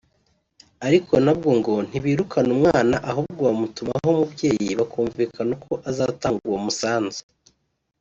ariko nabwo ngo ntibirukana umwana ahubwo batumaho umubyeyi bakumvikana uko azatanga uwo musanzu